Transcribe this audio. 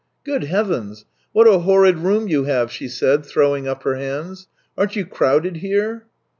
" Good heavens ! What a horrid room you have !" she said, throwing up her hands. " Aren't you crowded here